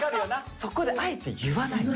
そこであえて言わないの。